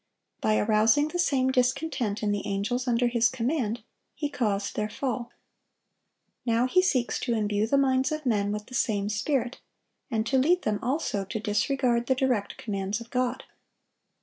By arousing the same discontent in the angels under his command, he caused their fall. Now he seeks to imbue the minds of men with the same spirit, and to lead them also to disregard the direct commands of God.